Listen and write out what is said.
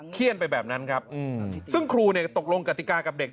เขี้ยนไปแบบนั้นครับซึ่งครูเนี่ยตกลงกติกากับเด็ก